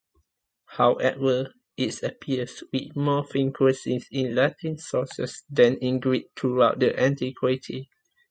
However, it appears with more frequency in Latin sources than in Greek throughout antiquity.